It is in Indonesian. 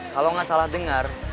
kalau nggak salah dengar